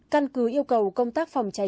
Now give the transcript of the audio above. căn cứ yêu cầu công tác phòng cháy